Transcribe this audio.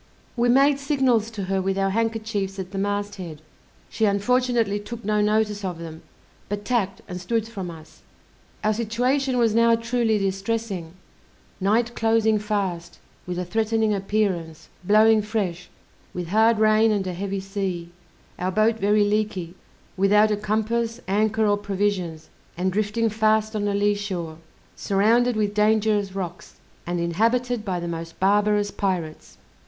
We made signals to her with our handkerchiefs at the mast head, she unfortunately took no notice of them, but tacked and stood from us. Our situation was now truly distressing, night closing fast, with a threatening appearance, blowing fresh, with hard rain and a heavy sea; our boat very leaky, without a compass, anchor or provisions, and drifting fast on a lee shore, surrounded with dangerous rocks, and inhabited by the most barbarous pirates.